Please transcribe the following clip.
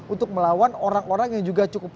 untuk melawan orang orang yang juga cukup